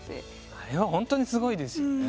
あれは本当にすごいですよね。